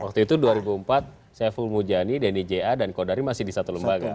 waktu itu dua ribu empat saiful mujani denny ja dan kodari masih di satu lembaga